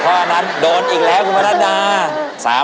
เพราะอันนั้นโดนอีกแล้วคุณมารัตดา